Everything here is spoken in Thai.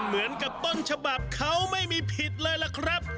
เหมือนกับต้นฉบับเขาไม่มีผิดเลยล่ะครับ